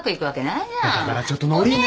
だからちょっと典姉。